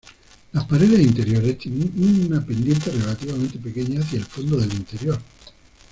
Las paredes interiores tienen una pendiente relativamente pequeña hacia el fondo del interior.